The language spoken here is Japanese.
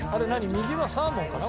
右はサーモンかな？